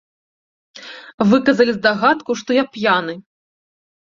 Выказалі здагадку, што я п'яны.